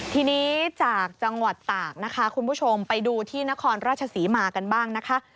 ทีนี้จากจังหวัดตากนะคะคุณผู้ชมไปดูที่นครราชศรีมากันบ้างนะคะ